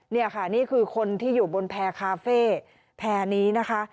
นี่ค่ะนี่คือคนที่อยู่บนแพร่คาเฟ่แพร่นี้นะคะ